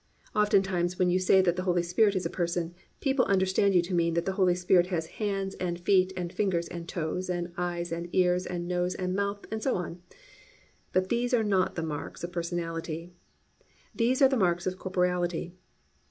Oftentimes when you say that the Holy Spirit is a person, people understand you to mean that the Holy Spirit has hands and feet and fingers and toes and eyes and ears and nose and mouth, and so on. But these are not the marks of personality, these are the marks of corporeity.